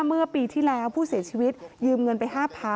เมื่อปีที่แล้วผู้เสียชีวิตยืมเงินไป๕๐๐๐